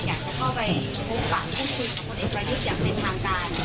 ตั้งใจอยากจะเข้าไปพูดฝั่งพูดคุยของผลเอกประยุทธ์อย่างเป็นทางการ